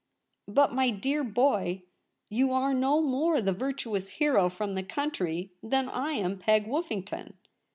' But, my dear boy, you are no more the virtuous hero from the country than I am Peg Woffington.